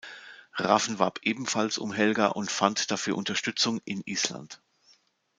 Hrafn warb ebenfalls um Helga und fand dafür Unterstützung in Island.